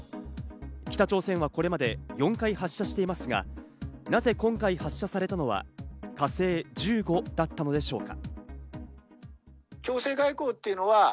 北朝鮮はこれまで４回発射していますが、なぜ今回発射されたのは「火星１５」だったのでしょうか？